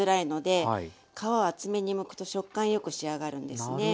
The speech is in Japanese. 皮を厚めにむくと食感よく仕上がるんですね。